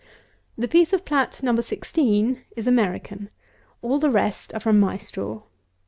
The piece of plat No. 16 is American; all the rest are from my straw.